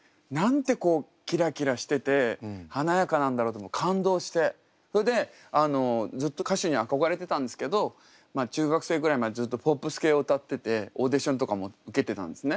高校生から歌い始めてそれ以前は５歳の時にそれでずっと歌手に憧れてたんですけど中学生ぐらいまでずっとポップス系を歌っててオーディションとかも受けてたんですね。